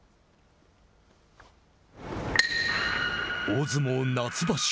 大相撲夏場所。